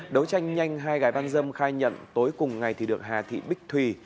đối tranh nhanh hai gái bán dâm khai nhận tối cùng ngày thì được hà thị bích thùy